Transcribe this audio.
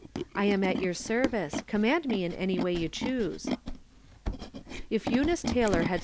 " I am at your service ; command m.e in any way you choose." If Eunice Taylor had.